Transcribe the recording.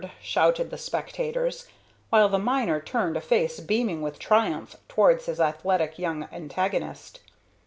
shouted the spectators, while the miner turned a face beaming with triumph towards his athletic young antagonist.